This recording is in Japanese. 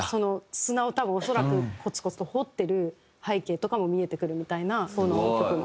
砂を多分恐らくコツコツと掘ってる背景とかも見えてくるみたいなこの曲も。